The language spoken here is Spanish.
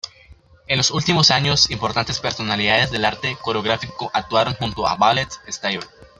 En los últimos años importantes personalidades del arte coreográfico actuaron junto al Ballet Estable.